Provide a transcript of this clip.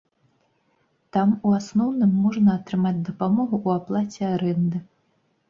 Там у асноўным можна атрымаць дапамогу ў аплаце арэнды.